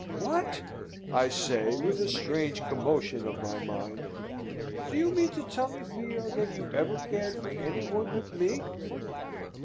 "What!" I say, with a strange commotion of my mind. "Do you mean to tell me, Theo, that you ever cared for any one but me?"